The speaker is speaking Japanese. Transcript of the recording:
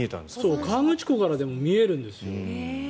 そう、河口湖からでも見えるんですよ。